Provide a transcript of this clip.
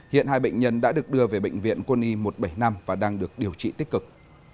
hiện hai bệnh nhân đã được đưa về bệnh viện quân y một trăm bảy mươi năm và đang được điều trị tích cực